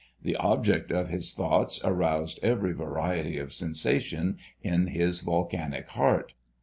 The object of his thoughts aroused every variety of sensation in his volcanic heart.